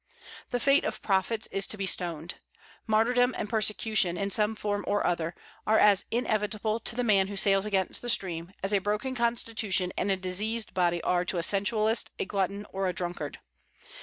The fate of prophets is to be stoned. Martyrdom and persecution, in some form or other, are as inevitable to the man who sails against the stream, as a broken constitution and a diseased body are to a sensualist, a glutton, or a drunkard.